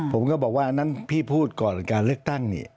ผมก็บอกว่าอันนั้นพี่พูดก่อนการเลือกตั้งนี่